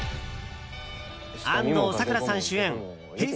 安藤サクラさん主演Ｈｅｙ！